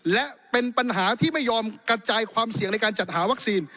และเป็นปัญหาที่ไม่ยอมกระจายความเสี่ยงในการจัดหาวัคซีน